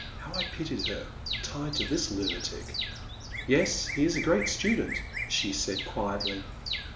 How I pitied her, tied to this lunatic ! Yes, he is a great student, she said, quietly.